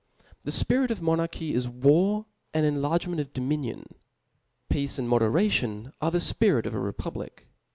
The fpirit of monarchy is war and enlargement of dominion : peace and moderation is the fpirit of a republic.